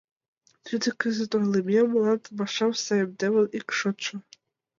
Тиде, кызыт ойлымем, — мланде пашам саемдымын ик шотшо.